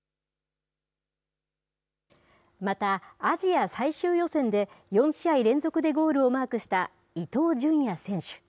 また、アジア最終予選で４試合連続でゴールをマークした伊東純也選手。